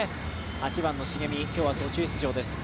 ８番の重見、今日は途中出場です。